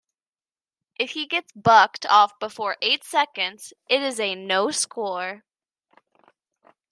If he gets bucked off before eight seconds, it is a no score.